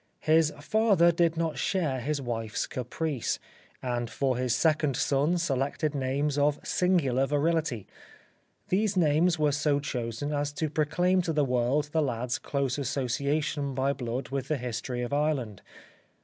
His father did not share his wife's caprice, and for his second son selected names of singular virility. These names were so chosen as to proclaim to the world the lad's close association by blood with the history of Ireland.